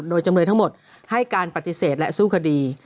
โดยจำเลยทั้งหมดให้การปฏิเสธและสู้คดี